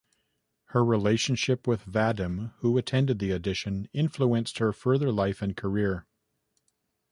Her relationship with Vadim, who attended the audition, influenced her further life and career.